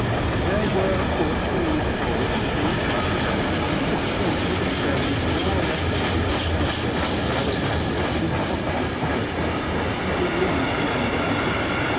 There were of course foolish tourists who, like to day, insisted on being fed with more or less authentic anecdotes of relics of an impossible character, who believed the unbelievable.